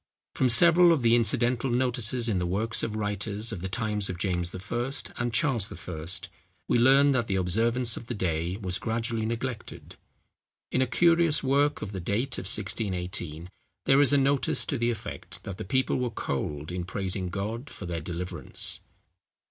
From several of the incidental notices in the works of writers of the times of James I. and Charles I., we learn that the observance of the day was gradually neglected. In a curious work of the date of 1618, there is a notice to the effect that the people were cold in praising God for their deliverance.